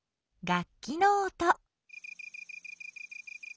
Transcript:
楽器の音。